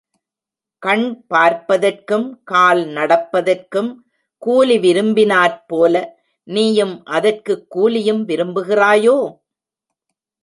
கண் பார்ப்பதற்கும், கால் நடப்பதற்கும் கூலி விரும்பினாற் போல நீயும் அதற்குக் கூலியும் விரும்புகிறாயோ?